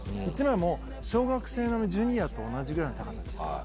小学生のジュニアと同じぐらいの高さですから。